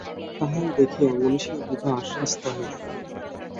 তাহাই দেখিয়া মহিষী ও বিভা আশ্বস্তা হইলেন।